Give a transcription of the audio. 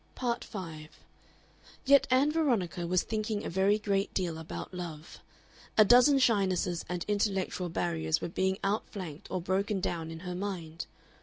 Part 5 Yet Ann Veronica was thinking a very great deal about love. A dozen shynesses and intellectual barriers were being outflanked or broken down in her mind.